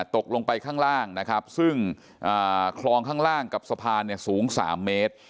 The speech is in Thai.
ตกลงไปข้างล่างนะครับซึ่งคลองข้างล่างกับสะพานเนี่ยสูง๓เมตร